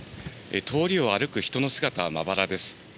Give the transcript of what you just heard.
通りを歩く人の姿はまばらです。